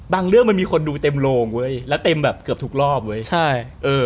เรื่องมันมีคนดูเต็มโรงเว้ยแล้วเต็มแบบเกือบทุกรอบเว้ยใช่เออ